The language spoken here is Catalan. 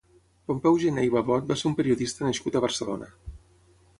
Pompeu Gener i Babot va ser un periodista nascut a Barcelona.